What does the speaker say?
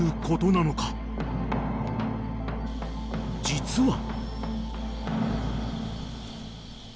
［実は］